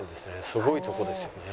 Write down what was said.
すごいとこですよね